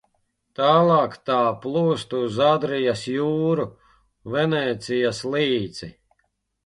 Tālāk tā plūst uz Adrijas jūru, Venēcijas līci.